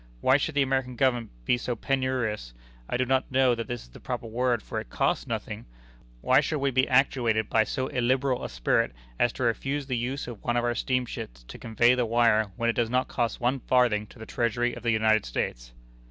Why should the American Government be so penurious I do not know that that is the proper word, for it costs nothing why should we be actuated by so illiberal a spirit as to refuse the use of one of our steamships to convey the wire when it does not cost one farthing to the Treasury of the United States?"